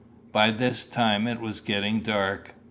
By this time it was getting dark.